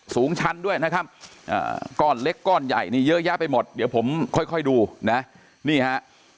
สูงชั้นด้วยนะครับก้อนเล็กก้อนใหญ่นี่เยอะแยะไปหมดเดี๋ยวผมค่อยดูนะนี่ฮะ